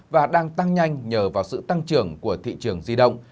và đang tăng nhanh nhờ vào sự tăng trưởng của thị trường di động